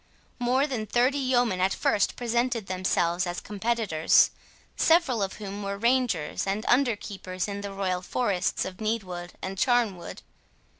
More than thirty yeomen at first presented themselves as competitors, several of whom were rangers and under keepers in the royal forests of Needwood and Charnwood.